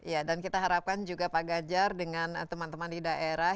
ya dan kita harapkan juga pak ganjar dengan teman teman di daerah